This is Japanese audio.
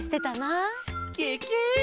ケケ！